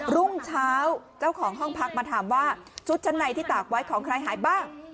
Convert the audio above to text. รุ่งเช้าเจ้าของห้องพักมาถามว่าชุดชั้นในที่ตากไว้ของใครหายบ้าง